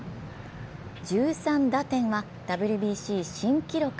１３打点はＷＢＣ新記録。